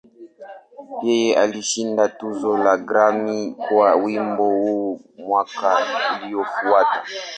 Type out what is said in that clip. Yeye alishinda tuzo ya Grammy kwa wimbo huu mwaka uliofuata.